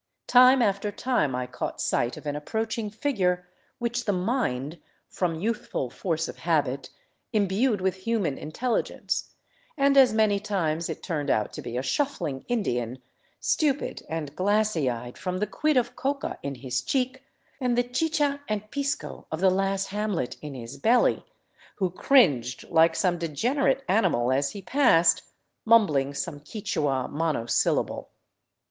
Time after time I caught sight of an approaching figure which the mind, from youthful force of habit, imbued with human intelligence — and as many times it turned out to be a shuffling Indian, stupid and glassy eyed from the quid of coca in his cheek and the chicha and pisco of the last hamlet in his belly, who cringed like some degenerate animal as he passed, mumbling some Quichua monosyllable.